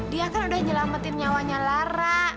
dia kan udah nyelamatin nyawanya lara